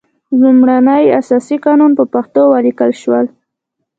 لومړنی اساسي قانون په پښتو ولیکل شول.